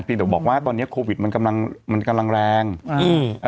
เดี๋ยวบอกว่าตอนเนี้ยโควิดมันกำลังมันกำลังแรงอืม